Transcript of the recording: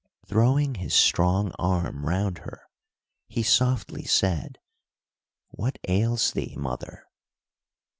Throwing his strong arm round her, he softly said, "What ails thee, mother?"